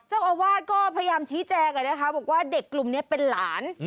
เจ้าอาวาสก็พยายามชี้แจงนะคะบอกว่าเด็กกลุ่มนี้เป็นหลาน